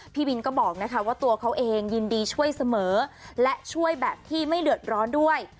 พี่วินก็บอกนะคะว่าตัวเขาเองยินดีช่วยเสมอและช่วยแบบที่ไม่เดือดร้อนด้วย